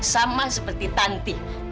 sama seperti tanti